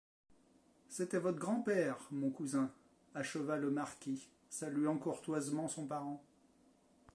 C'était votre grand-père, mon cousin, acheva le marquis, saluant courtoisement son parent.